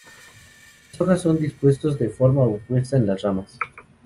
Las hojas son dispuestos de forma opuesta en las ramas.